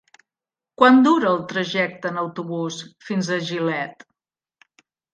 Quant dura el trajecte en autobús fins a Gilet?